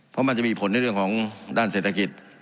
เพราะมันจะมีผลในเรื่องของด้านเศรษฐกิจ